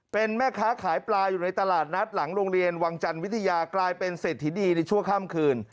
เป็นแม่ค้าขายปลาอยู่ในตลาดนัดหลังโรงเรียนวังจันทร์วิทยากลายเป็นเศรษฐีดีในชั่วข้ามคืน